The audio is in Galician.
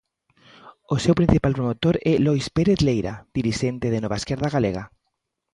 O seu principal promotor é Lois Pérez Leira, dirixente de Nova Esquerda Galega.